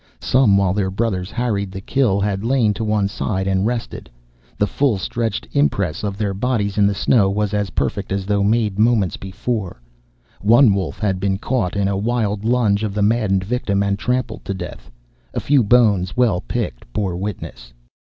Some, while their brothers harried the kill, had lain to one side and rested. The full stretched impress of their bodies in the snow was as perfect as though made the moment before. One wolf had been caught in a wild lunge of the maddened victim and trampled to death. A few bones, well picked, bore witness.